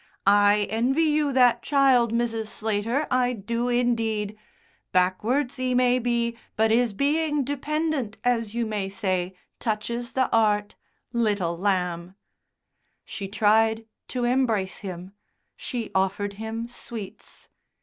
"I envy you that child, Mrs. Slater, I do indeed. Backwards 'e may be, but 'is being dependent, as you may say, touches the 'eart. Little lamb!" She tried to embrace him; she offered him sweets.